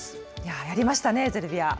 やりましたね、ゼルビア。